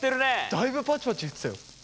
だいぶパチパチいってたよ。